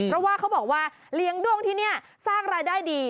เพราะว่าเขาบอกว่าเลี้ยงด้วงที่นี่สร้างรายได้ดี